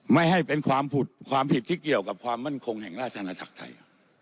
ไม่ให้เป็นความผิดที่เกี่ยวกับความมั่นคงแห่งราชธนธรรมไทย